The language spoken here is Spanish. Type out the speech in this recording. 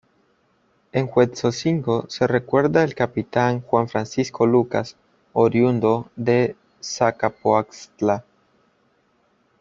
En Huejotzingo, se recuerda el capitán Juan Francisco Lucas, oriundo de Zacapoaxtla.